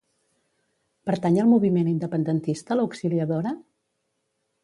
Pertany al moviment independentista l'Auxiliadora?